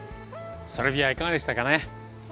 サルビアいかがでしたかね？